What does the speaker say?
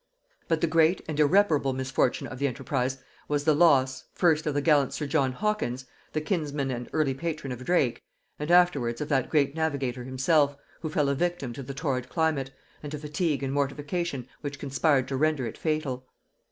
But the great and irreparable misfortune of the enterprise was the loss, first of the gallant sir John Hawkins, the kinsman and early patron of Drake, and afterwards of that great navigator himself, who fell a victim to the torrid climate, and to fatigue and mortification which conspired to render it fatal.